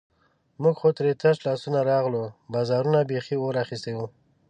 موږ خو ترې تش لاسونه راغلو، بازارونو بیخي اور اخیستی وو.